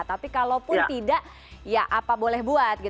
tapi kalau pun tidak ya apa boleh buat